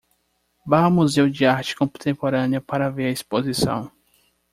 Vá ao Museu de Arte Contemporânea para ver a exposição